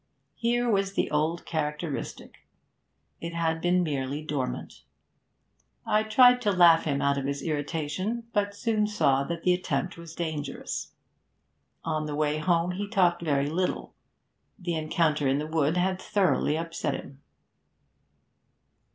Here was the old characteristic; it had merely been dormant. I tried to laugh him out of his irritation, but soon saw that the attempt was dangerous. On the way home he talked very little; the encounter in the wood had thoroughly upset him.